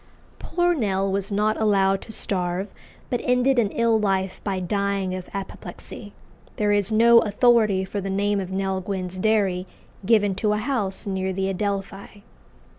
Poor Nell was not "allowed to starve," but ended an ill life by dying of apoplexy. There is no authority for the name of "Nell Gwynn's Dairy" given to a house near the Adelphi.